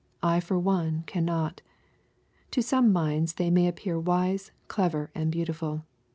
I for one cannot. — To some minds they may appear wise, clever, and beautiful.